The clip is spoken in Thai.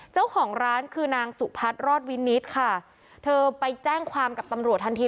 เจ้าของร้านคือนางสุพัฒน์รอดวินิตค่ะเธอไปแจ้งความกับตำรวจทันที